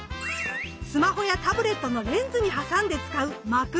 スマホやタブレットのレンズに挟んで使うマクロレンズ。